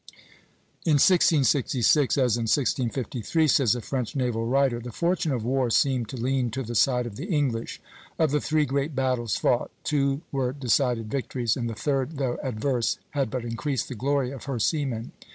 "In 1666 as in 1653," says a French naval writer, "the fortune of war seemed to lean to the side of the English. Of the three great battles fought two were decided victories; and the third, though adverse, had but increased the glory of her seamen.